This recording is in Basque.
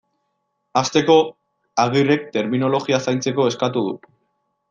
Hasteko, Agirrek terminologia zaintzeko eskatu du.